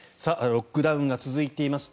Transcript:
ロックダウンが続いています